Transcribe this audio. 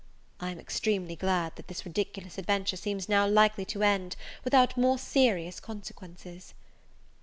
I am extremely glad that this ridiculous adventure seems now likely to end without more serious consequences.